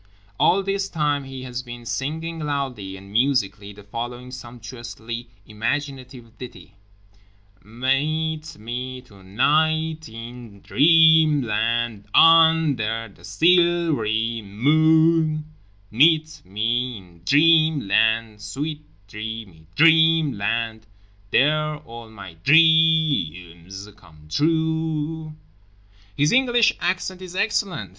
All this time he has been singing loudly and musically the following sumptuously imaginative ditty: "mEEt me tonIght in DREAmland, UNder the SIL v'ry mOOn, meet me in DREAmland, sweet dreamy DREAmland— there all my DRE ams come trUE." His English accent is excellent.